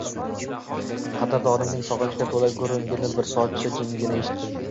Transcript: Qadrdonimning sog`inchga to`la gurungini bir soatcha jimgina eshitdim